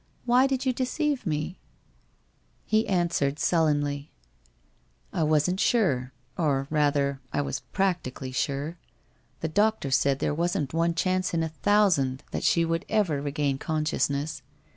' Why did you deceive me ?' He answered sullenly :' I wasn't sure — or rather, I was practically sure. The doctor said there wasn't one chance in a thousand that she would ever regain con sciousness.